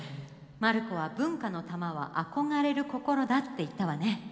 マルコは文化の玉は憧れる心だって言ったわね。